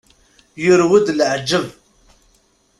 Yurew-d leɛǧeb.